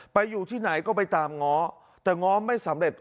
อยู่ที่ไหนก็ไปตามง้อแต่ง้อไม่สำเร็จ